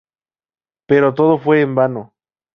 Pero todo fue en vano.